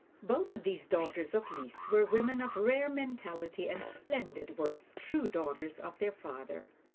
Both of these daughters of Liszt were women of rare mentality and splendid worth, true daughters of their father.